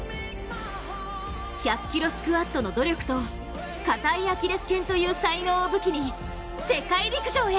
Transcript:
１００ｋｇスクワットの努力とかたいアキレスけんという才能を武器に世界陸上へ！